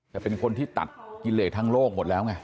แต่เป็นคนที่ตัดกิเลสทั้งโลกหมดแล้วไง